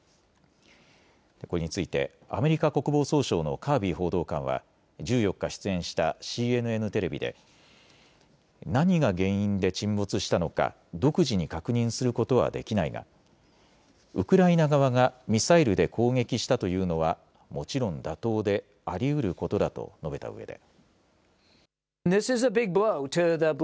これについてアメリカ国防総省のカービー報道官は１４日、出演したＣＮＮテレビで何が原因で沈没したのか独自に確認することはできないがウクライナ側がミサイルで攻撃したというのはもちろん妥当でありうることだと述べたうえで。